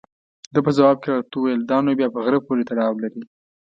ده په ځواب کې راته وویل: دا نو بیا په غره پورې تړاو لري.